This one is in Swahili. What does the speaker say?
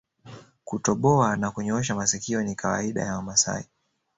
Kutoboa na kunyoosha masikio ni kawaida ya Wamasai